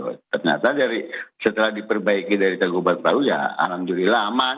ternyata dari setelah diperbaiki dari tangguban perahu ya alhamdulillah aman